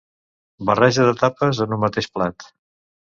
Barreja de tapes en un mateix plat.